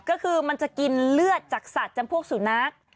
ก็คือมันจะกินเลือดจากสัตว์จำพวกสุนัข